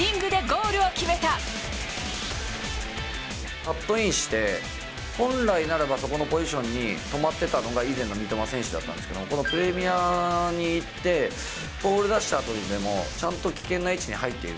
カットインして、本来ならばそこのポジションに止まってたのが、以前の三笘選手だったんですけど、このプレミアに行って、ボール出したあとにでも、もうちゃんと危険な位置に入っていく。